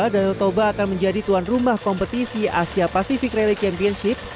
danau toba akan menjadi tuan rumah kompetisi asia pacific rally championship